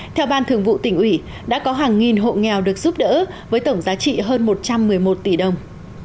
theo ban thường vụ tỉnh ủy đã có hàng nghìn hộ nghèo được giúp đỡ với tổng giá trị hơn một trăm một mươi một tỷ đồng